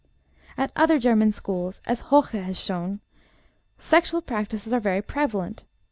At other German schools, as Hoche has shown, sexual practices are very prevalent.